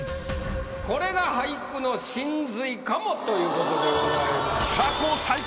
「これが俳句の真髄かも」ということでございます。